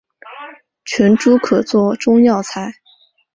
全株可做中药材。